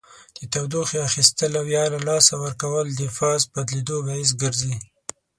د تودوخې اخیستل او یا له لاسه ورکول د فاز بدلیدو باعث ګرځي.